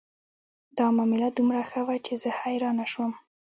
دا معامله دومره ښه وه چې زه حیرانه شوم